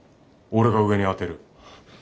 俺が上に当てる。